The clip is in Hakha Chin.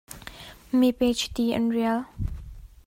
Mipe chiti an rial.